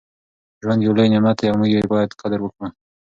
ژوند یو لوی نعمت دی او موږ یې باید قدر وکړو.